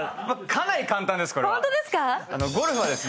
かなり簡単ですこれは。